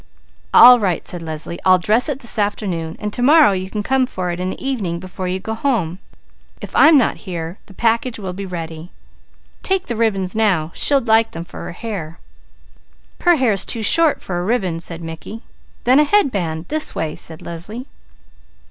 "All right," said Leslie. "I'll dress it this afternoon, and tomorrow you can come for it in the evening before you go home. If I am not here, the package will be ready. Take the ribbons now. She'd like them for her hair." "Her hair's too short for a ribbon," said Mickey. "Then a headband! This way!" said Leslie.